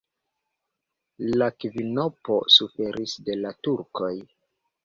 La kvinopo suferis de la turkoj.